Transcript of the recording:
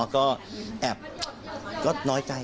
ก็น้อยใจ